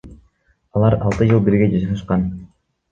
Алар алты жыл бирге жашашкан.